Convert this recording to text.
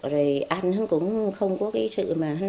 rồi ăn cũng không có cái sự